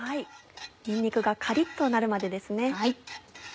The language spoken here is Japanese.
にんにくがカリっとなるまでですね。